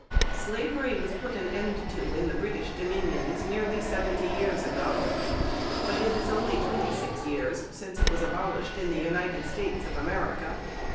Slavery was put an end to in the British Dominions nearly seventy years ago, but it is only twenty six years since it was abolished in the United States of America.